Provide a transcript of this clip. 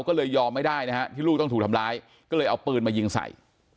ก็เลยยอมไม่ได้นะฮะที่ลูกต้องถูกทำร้ายก็เลยเอาปืนมายิงใส่